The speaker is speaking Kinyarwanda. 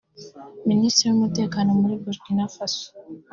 Minisitiri w’Umutekano muri Burkina Faso